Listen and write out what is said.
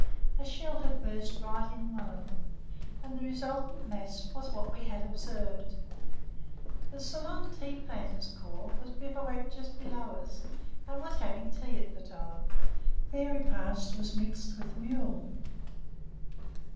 A shell had burst right in one of them, and the resultant mass was what we had observed. The Ceylon Tea Planter's Corps was bivouacked just below us and were having tea at the time; their repast was mixed with mule.